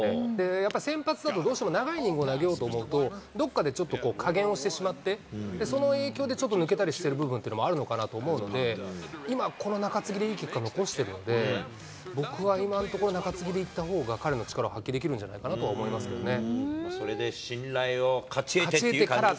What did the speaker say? やっぱ先発だとどうしても、長いイニングを投げようと思うと、どこかでちょっと加減をしてしまって、その影響でちょっと抜けたりしてる部分というのもあると思うんで、今この中継ぎでいい結果残してるんで、僕は今のところ、中継ぎでいったほうが彼の力を発揮できるんじゃないかなと思いますけどね。